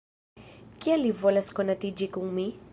Kial li volas konatiĝi kun mi?